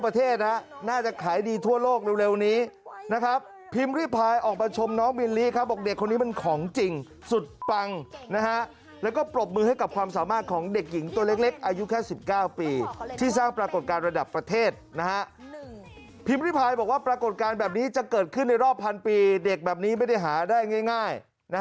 น่าจะขายดีทั่วโลกเร็วนี้นะครับพิมพ์ริพายออกมาชมน้องมิลลิครับบอกเด็กคนนี้มันของจริงสุดปังนะฮะแล้วก็ปรบมือให้กับความสามารถของเด็กหญิงตัวเล็กอายุแค่๑๙ปีที่สร้างปรากฏการณ์ระดับประเทศนะฮะพิมพ์ริพายบอกว่าปรากฏการณ์แบบนี้จะเกิดขึ้นในรอบพันปีเด็กแบบนี้ไม่ได้หาได้ง่าย